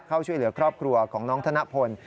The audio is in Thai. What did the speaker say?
เข้าช่วยเหลือครอบครัวของน้องธนพล